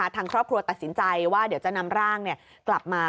ทางครอบครัวตัดสินใจว่าเดี๋ยวจะนำร่างกลับมา